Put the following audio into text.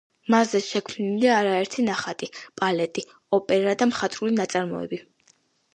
მასზე შექმნილია არაერთი ნახატი, ბალეტი, ოპერა და მხატვრული ნაწარმოები.